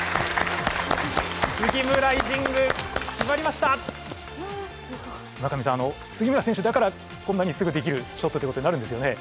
村上さん杉村選手だからこんなにすぐできるショットっていうことになるんですよね？